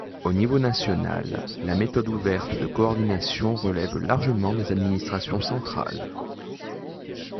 Au niveau national, la méthode ouverte de coordination relève largement des administrations centrales.